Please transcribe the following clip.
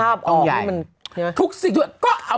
หรือระดับต่างต้องแบรนด์ต้องแบรนด์ในพาปออกให้มัน